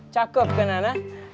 cakep kan anak